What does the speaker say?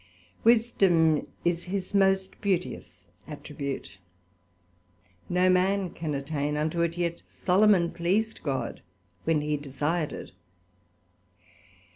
Wisdom is his most beauteous Attribute, no man can attain unto it, yet Solomon pleased God when he desired it.